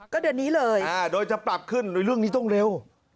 ก็เดือนนี้เลยโดยจะปรับขึ้นเรื่องนี้ต้องเร็ว